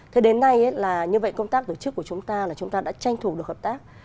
thế đến nay là như vậy công tác tổ chức của chúng ta là chúng ta đã tranh thủ được hợp tác